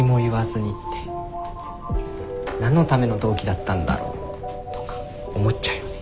何のための同期だったんだろとか思っちゃうよね。